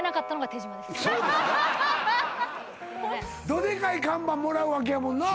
どデカい看板もらうわけやもんな？